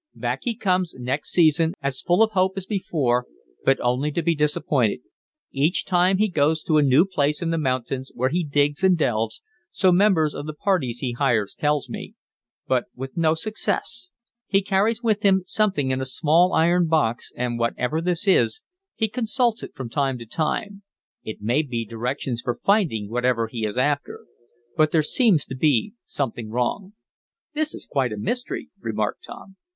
"Back he comes next season, as full of hope as before, but only to be disappointed. Each time he goes to a new place in the mountains where he digs and delves, so members of the parties he hires tell me, but with no success. He carries with him something in a small iron box, and, whatever this is, he consults it from time to time. It may be directions for finding whatever he is after. But there seems to be something wrong." "This is quite a mystery," remarked Tom.